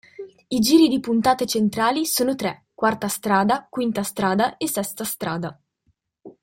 I giri di puntate centrali sono tre: "quarta strada, quinta strada e sesta strada.